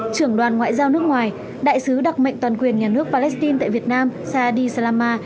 trưởng đoàn ngoại giao nước ngoài đại sứ đặc mệnh toàn quyền nhà nước palestine tại việt nam sadi salama